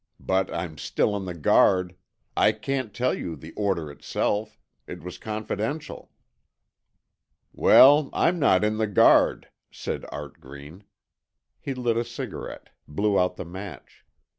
But I'm still in the Guard. I can't tell you the order itself. It was confidential." "Well, I'm not in the Guard," said Art Green. He lit a cigarette, blew out the match.